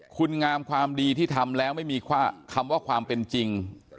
คุณงามความดีที่ทำแล้วไม่มีคำว่าความเป็นจริง